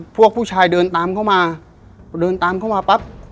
พวกผู้ชายเดินตามเข้ามาพอเดินตามเข้ามาปั๊บ